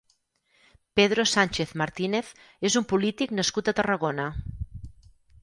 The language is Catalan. Pedro Sánchez Martínez és un polític nascut a Tarragona.